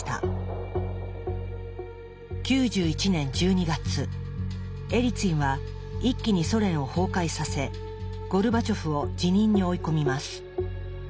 ９１年１２月エリツィンは一気にソ連を崩壊させゴルバチョフを辞任に追い込みます。